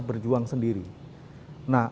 berjuang sendiri nah